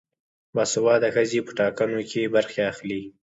باسواده ښځې په ټاکنو کې برخه اخلي.